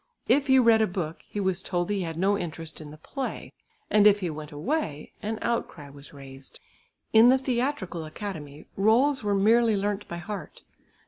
If he read a book, he was told he had no interest in the play, and if he went away, an outcry was raised. In the Theatrical Academy roles were merely learnt by heart.